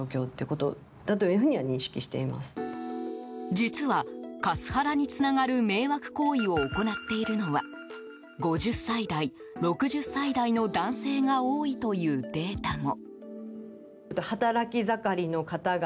実は、カスハラにつながる迷惑行為を行っているのは５０歳代、６０歳代の男性が多いというデータも。